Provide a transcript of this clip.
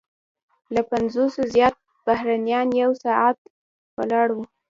له پنځوسو زیات بهرنیان یو ساعت ولاړ وو.